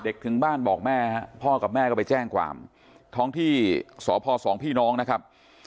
ถึงบ้านบอกแม่พ่อกับแม่ก็ไปแจ้งความท้องที่สพสองพี่น้องนะครับ